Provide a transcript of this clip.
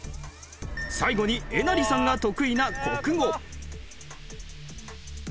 最後にえなりさんが得意な国語。